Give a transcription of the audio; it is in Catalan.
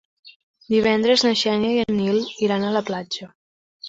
Divendres na Xènia i en Nil iran a la platja.